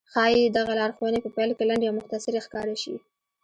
ښايي دغه لارښوونې په پيل کې لنډې او مختصرې ښکاره شي.